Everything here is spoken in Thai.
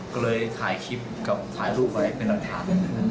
ก็เลยถ่ายคลิปกับถ่ายรูปไว้เป็นหลักฐาน